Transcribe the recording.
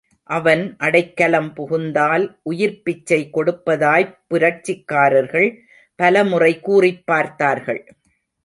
அவன் அடைக்கலம் புகுந்தால் உயிர்ப்பிச்சை கொடுப்பதாய்ப் புரட்சிக்கார்கள் பலமுறை கூறிப்பார்த்தார்கள்.